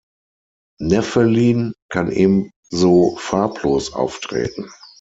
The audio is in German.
Nephelin kann ebenso farblos auftreten.